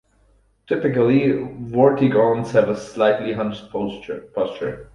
Typically, Vortigaunts have a slightly hunched posture.